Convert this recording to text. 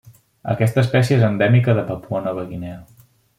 Aquesta espècie és endèmica de Papua Nova Guinea.